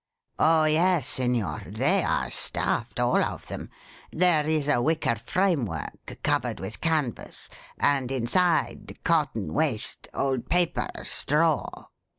"Oh, yes, signor, they are stuffed, all of them. There is a wicker framework covered with canvas; and inside cotton waste, old paper, straw."